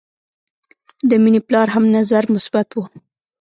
د مینې پلار هم نظر مثبت و